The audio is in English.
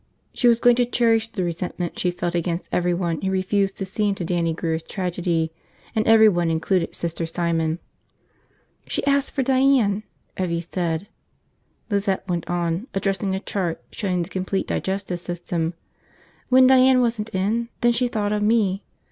She was going to cherish the resentment she felt against everyone who refused to see into Dannie Grear's tragedy, and everyone included Sister Simon. "She asked for Diane, Evvie said," Lizette went on, addressing a chart showing the complete digestive system. "When Diane wasn't in, then she thought of me.